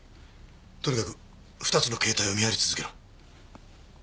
とにかく２つの携帯を見張り続けろ。